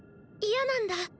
嫌なんだ。